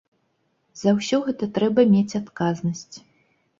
За ўсё гэта трэба мець адказнасць.